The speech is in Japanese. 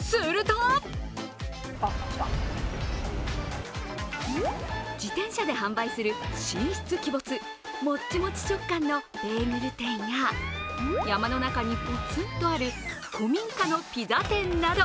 すると自転車で販売する神出鬼没、もっちもち食感のベーグル店や山の中にぽつんとある古民家のピザ店など